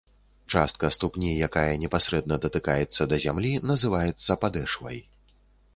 Частка ступні, якая непасрэдна датыкаецца зямлі называецца падэшвай.